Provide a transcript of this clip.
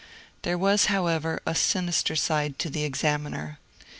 " There was, however, a sinister side to the ^^ Examiner."